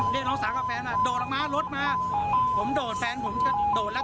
เรียกน้องสาวกับแฟนอ่ะโดดออกมารถมาผมโดดแฟนผมจะโดดแล้ว